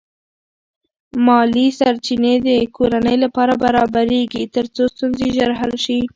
مالی سرچینې د کورنۍ لپاره برابرېږي ترڅو ستونزې ژر حل شي.